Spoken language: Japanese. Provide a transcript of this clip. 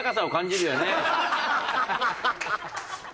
ハハハハ！